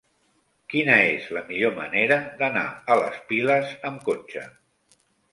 Quina és la millor manera d'anar a les Piles amb cotxe?